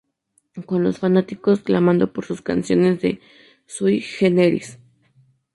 Con los fanáticos clamando por canciones de Sui Generis.